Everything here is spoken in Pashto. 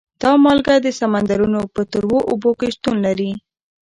دا مالګه د سمندرونو په تروو اوبو کې شتون لري.